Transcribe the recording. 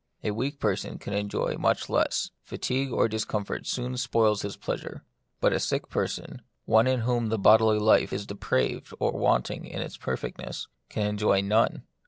A weak person can enjoy much less — fatigue or discomfort soon spoils his pleasure ; but a sick person, one in whom the bodily life is depraved or wanting in its perfectness, can enjoy none.